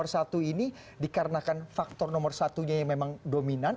efek kejut nomor satu ini dikarenakan faktor nomor satu nya yang memang dominan